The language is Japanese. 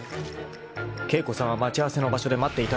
［景子さんは待ち合わせの場所で待っていたのか？］